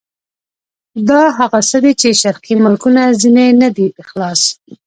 دا هغه څه دي چې شرقي ملکونه ځنې نه دي خلاص.